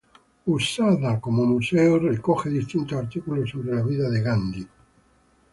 Usada como museo, recoge distintos artículos sobre la vida de Gandhi.